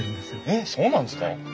えっそうなんですか？